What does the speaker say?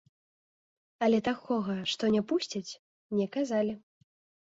Але такога, што не пусцяць, не казалі.